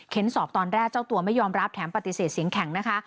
สอบตอนแรกเจ้าตัวไม่ยอมรับแถมปฏิเสธเสียงแข็งนะคะ